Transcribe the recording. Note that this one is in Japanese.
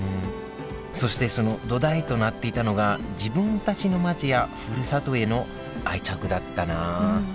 そしてその土台となっていたのが自分たちの街やふるさとへの愛着だったなあ。